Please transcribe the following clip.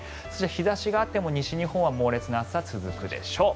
日差しがあっても西日本は猛烈な暑さが続くでしょう。